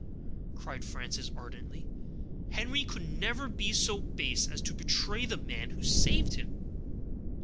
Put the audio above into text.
cried Frances, ardently. "Henry could never be so base as to betray the man who saved him."